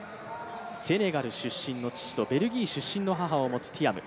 セネガル出身の父と、ベルギー出身の母を持つティアム。